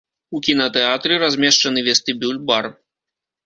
У кінатэатры размешчаны вестыбюль, бар.